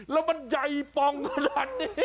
แล้วมันใหญ่ปองขนาดนี้